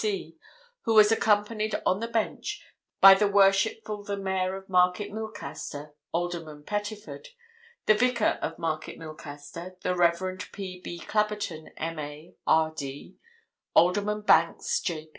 K.C., who was accompanied on the bench by the Worshipful the Mayor of Market Milcaster (Alderman Pettiford), the Vicar of Market Milcaster (the Rev. P.B. Clabberton, M.A., R.D.), Alderman Banks, J.